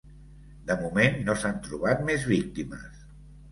De moment no s’han trobat més víctimes.